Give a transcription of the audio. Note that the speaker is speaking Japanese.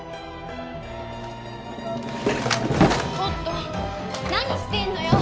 ちょっと何してるのよ！？